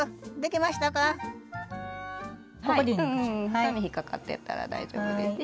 ２目引っ掛かってたら大丈夫です。